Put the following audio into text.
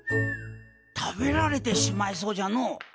食べられてしまいそうじゃのう。